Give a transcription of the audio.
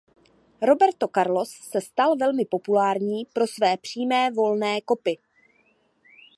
Roberto Carlos se stal velmi populární pro své přímé volné kopy.